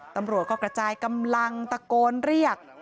ตำรวจก็กระจายกำลังตะโกนเรียก